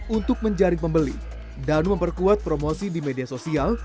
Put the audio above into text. untuk menjaring pembeli danu memperkuat promosi di media sosial